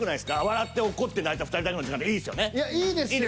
「笑って怒って泣いた２人だけの時間」っていいですよね。